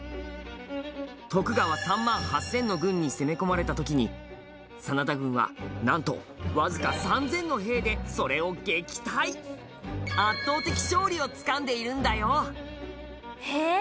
徳川３万８０００の軍に攻め込まれた時に、真田軍はなんと、わずか３０００の兵でそれを撃退圧倒的勝利をつかんでいるんだよへえー！